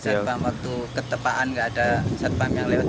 gak ada satpam waktu ketepaan gak ada satpam yang lewat